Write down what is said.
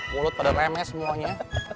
mulut pada remes semuanya